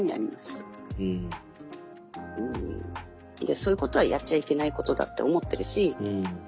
そういうことはやっちゃいけないことだって思ってるし